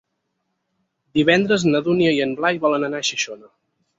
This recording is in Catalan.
Divendres na Dúnia i en Blai volen anar a Xixona.